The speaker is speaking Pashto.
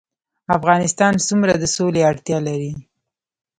افغانستان څومره د سولې اړتیا لري؟